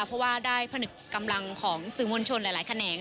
เพราะว่าได้ผนึกกำลังของสื่อมวลชนหลายแขนง